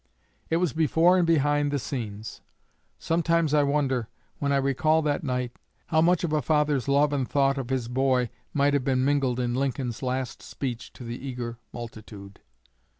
It was before and behind the scenes. Sometimes I wonder, when I recall that night, how much of a father's love and thought of his boy might have been mingled in Lincoln's last speech to the eager multitude."